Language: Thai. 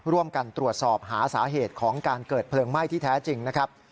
ร่วมกันตรวจสอบหาสาเหตุของการเกิดเพลิงไหม้ที่แท้จริงนะครับ